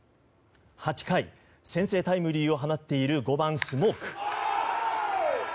８回、先制タイムリーを放っている５番、スモーク。